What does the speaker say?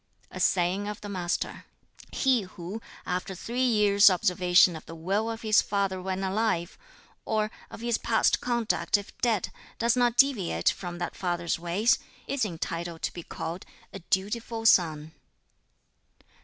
A saying of the Master: "He who, after three years' observation of the will of his father when alive, or of his past conduct if dead, does not deviate from that father's ways, is entitled to be called 'a dutiful son.'"